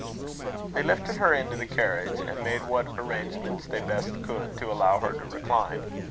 They lifted her into the carriage, and made what arrangements they best could to allow her to recline.